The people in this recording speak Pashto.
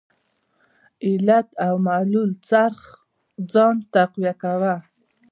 علت او معلول څرخ ځان تقویه کاوه.